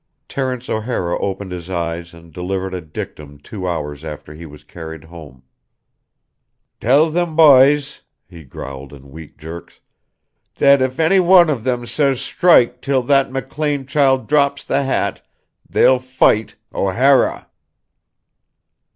Terence O'Hara opened his eyes and delivered a dictum two hours after he was carried home. "Tell thim byes," he growled in weak jerks, "that if any wan of thim says shtrike till that McLean child drops the hat, they'll fight O'Hara."